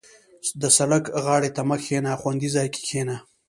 • د سړک غاړې ته مه کښېنه، خوندي ځای کې کښېنه.